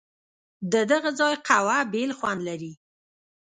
ددغه ځای قهوه بېل خوند لري.